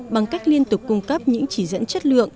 bằng cách liên tục cung cấp những chỉ dẫn chất lượng